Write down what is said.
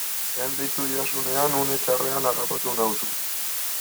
Lehen deitu didazunean une txarrean harrapatu nauzu.